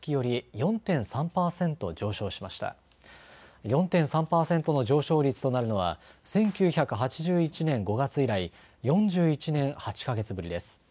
４．３％の上昇率となるのは１９８１年５月以来４１年８か月ぶりです。